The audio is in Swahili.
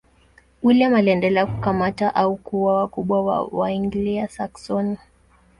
William aliendelea kukamata au kuua wakubwa wa Waanglia-Saksoni.